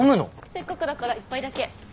せっかくだから１杯だけ。